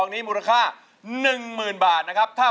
นวดพนาธค่ะ